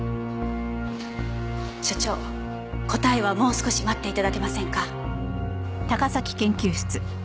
所長答えはもう少し待って頂けませんか？